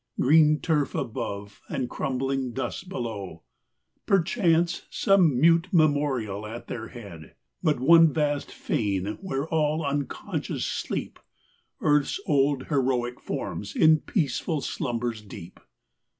Green turf above, and crumbling dust below, Perchance some mute memorial at their head. But one vast fane where all unconscious sleep Earth's old heroic forms in peaceful slumbers deep.